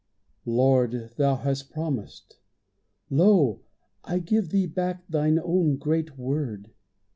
Lord, Thou hast promised. Lo! I give Thee back Thine own great Word.